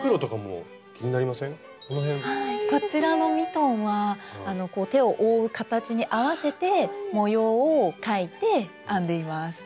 こちらのミトンは手を覆う形に合わせて模様を描いて編んでいます。